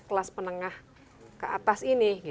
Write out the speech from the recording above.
kelas menengah ke atas ini